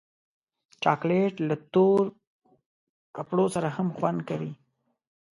چاکلېټ له تور کپړو سره هم خوند کوي.